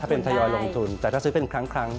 เป็นทยอยลงทุนแต่ถ้าซื้อเป็นครั้ง